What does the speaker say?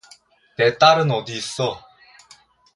내 딸은 어디 있어?